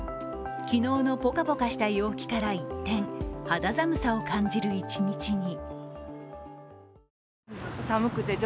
昨日のポカポカした陽気から一転、肌寒さを感じる一日に。